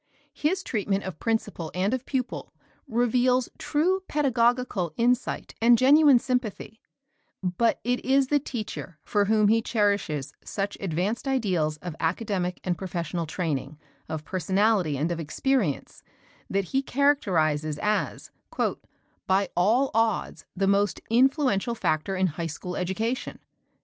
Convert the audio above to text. His treatment of principal and of pupil reveals true pedagogical insight and genuine sympathy, but it is the teacher for whom he cherishes such advanced ideals of academic and professional training, of personality, and of experience, that he characterizes as "by all odds, the most influential factor in high school education."